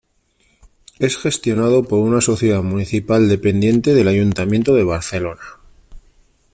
Es gestionado por una sociedad municipal dependiente del Ayuntamiento de Barcelona.